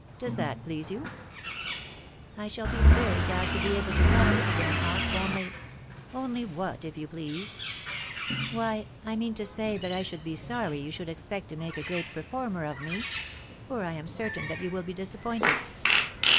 Does that please you ?"" I shall he very glad to he ante to practise again, aunt, only Only what, if you please ?" Why, I mean to say that I should be sorry you should expect to make a great performer of me; .... for I am certain that you will he disappointed."